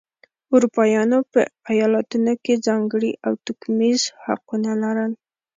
اروپایانو په ایالتونو کې ځانګړي او توکمیز حقونه لرل.